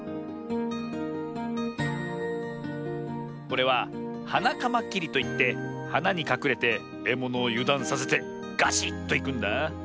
これはハナカマキリといってはなにかくれてえものをゆだんさせてガシッといくんだ。